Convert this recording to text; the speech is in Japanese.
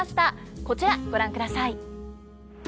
こちらご覧ください。